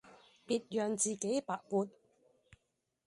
別讓自己白活